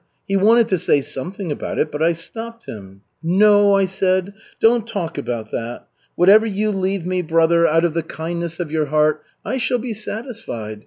He wanted to say something about it, but I stopped him. 'No,' I said, 'don't talk about that! Whatever you leave me, brother, out of the kindness of your heart, I shall be satisfied.